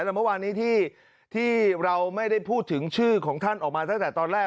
แล้วเมื่อวานนี้ที่เราไม่ได้พูดถึงชื่อของท่านออกมาตั้งแต่ตอนแรก